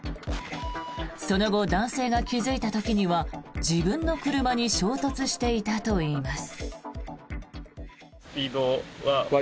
その後、男性が気付いた時には自分の車に衝突していたといいます。